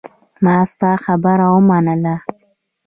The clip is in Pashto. ما ستا خبره ومنله.